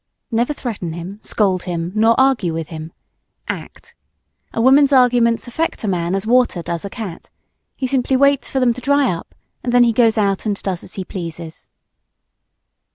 Never threaten him, scold him nor argue with him. Act! A woman's arguments affect a man as water does a cat. He simply waits for them to dry up and then he goes out and does as he pleases.